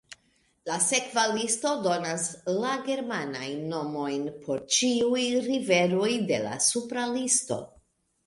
La sekva listo donas la germanajn nomojn por ĉiuj riveroj de la supra listo.